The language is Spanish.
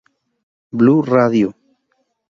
Blu Radio.